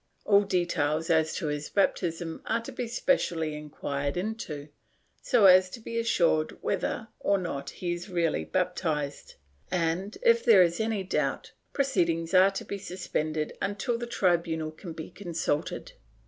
All details as to his baptism are to be specially inquired into, so as to be assured whether or not he is really baptized, and, if there is any doubt, proceedings are to be suspended until the tribunal can be consulted.